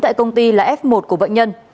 tại công ty là f một của bệnh nhân